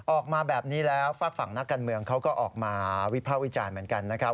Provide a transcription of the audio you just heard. ออกมาแบบนี้แล้วฝากฝั่งนักการเมืองเขาก็ออกมาวิภาควิจารณ์เหมือนกันนะครับ